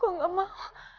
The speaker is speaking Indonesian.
gue enggak mau